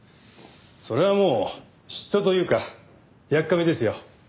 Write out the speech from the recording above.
それはもう嫉妬というかやっかみですよ。